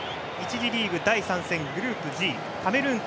次リーグ第３戦グループＧカメルーン対